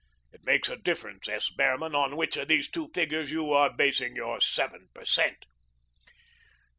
It makes a difference, S. Behrman, on which of these two figures you are basing your seven per cent."